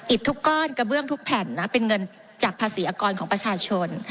ทุกก้อนกระเบื้องทุกแผ่นนะเป็นเงินจากภาษีอากรของประชาชน